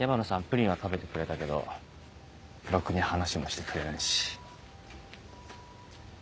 プリンは食べてくれたけどろくに話もしてくれないし。